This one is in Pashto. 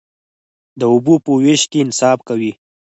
د اوبو په ویش کې انصاف کوئ؟